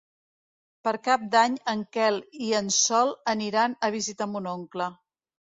Per Cap d'Any en Quel i en Sol aniran a visitar mon oncle.